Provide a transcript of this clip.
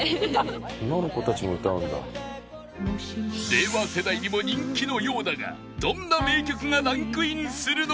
令和世代にも人気のようだがどんな名曲がランクインするのか？